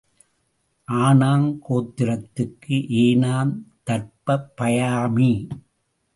ஆனாங் கோத்திரத்துக்கு ஏனாந் தர்ப்பயாமி.